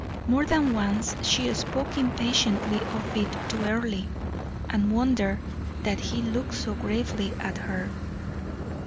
More than once she spoke impatiently of it to Earle, and wondered that he looked so gravely at her.